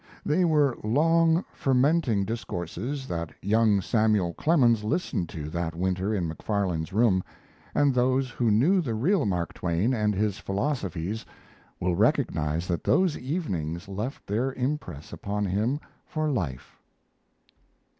They were long, fermenting discourses that young Samuel Clemens listened to that winter in Macfarlane's room, and those who knew the real Mark Twain and his philosophies will recognize that those evenings left their impress upon him for life.